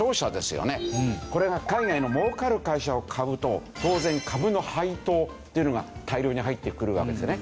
これが海外の儲かる会社を買うと当然株の配当っていうのが大量に入ってくるわけですよね。